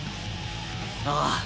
ああ！